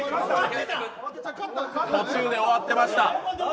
途中で終わってました。